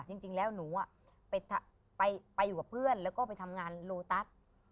จริงแล้วหนูไปอยู่กับเพื่อนแล้วก็ไปทำงานโลตัส